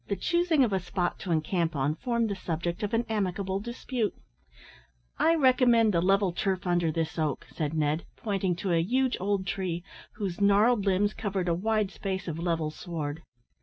The choosing of a spot to encamp on formed the subject of an amicable dispute. "I recommend the level turf under this oak," said Ned, pointing to a huge old tree, whose gnarled limbs covered a wide space of level sward.